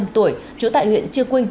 năm mươi năm tuổi chủ tại huyện chia quynh